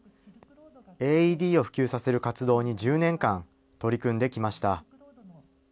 ＡＥＤを普及させる活動に１０年間取り組んできました。